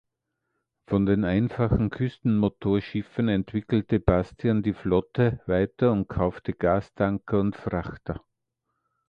Von den einfachen Küstenmotorschiffen entwickelte Bastian die Flotte weiter und kaufte Gastanker und Frachter.